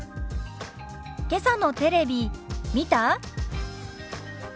「けさのテレビ見た？」。